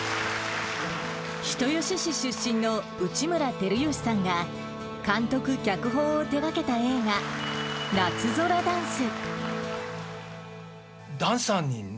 人吉市出身の内村光良さんが、監督・脚本を手がけた映画、夏空ダンス。